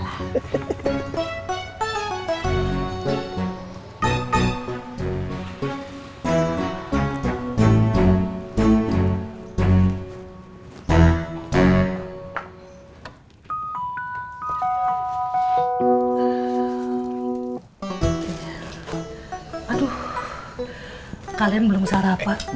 aduh kalian belum sarapan